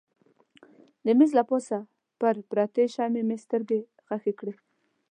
د مېز له پاسه پر پرتې شمعې مې سترګې ښخې کړې.